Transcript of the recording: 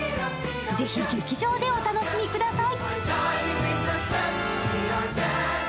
ぜひ、劇場でお楽しみください。